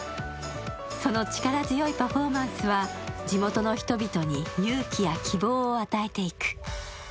その力強いパフォーマンスは地元の人々に勇気や希望を与えていく。